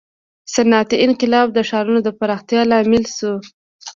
• صنعتي انقلاب د ښارونو د پراختیا لامل شو.